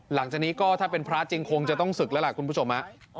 หลังจากนี้ก็ถ้าเป็นพระจริงคงจะต้องศึกแล้วล่ะคุณผู้ชม